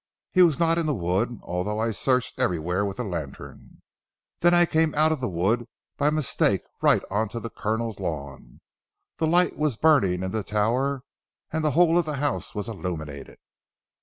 He was not in the wood, although I searched everywhere with a lantern. Then I came out of the wood by mistake right on to the Colonel's lawn. The light was burning in the tower, and the whole of the house was illuminated."